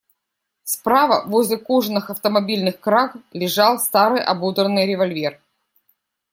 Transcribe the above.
Справа, возле кожаных автомобильных краг, лежал старый, ободранный револьвер.